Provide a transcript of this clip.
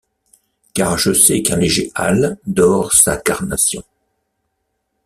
Car je sais qu’un léger hâle dore sa carnation.